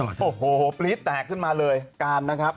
โอ้โหปรี๊ดแตกขึ้นมาเลยการนะครับ